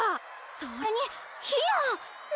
それにひな！